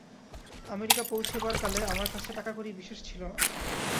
America পৌঁছিবার কালে আমার কাছে টাকাকড়ি বিশেষ ছিল না।